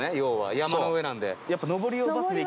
山の上なんで。